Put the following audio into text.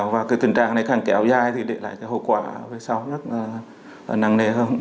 và tình trạng này càng kéo dài thì để lại hậu quả rất năng nề hơn